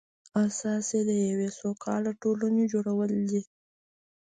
اساس یې د یوې سوکاله ټولنې جوړول دي.